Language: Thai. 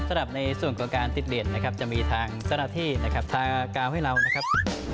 สำหรับในส่วนของการติดเด่นนะครับจะมีทางเจ้าหน้าที่นะครับทางกาวให้เรานะครับ